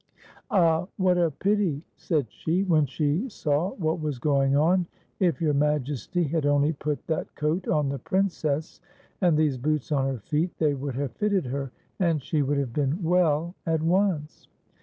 "Ah! what a pity," said she, when she saw what was going on ;" if \ our Majesty had only put that coat on the Princess, and these boots on her feet, they would have fitted her, and she would have been well at once.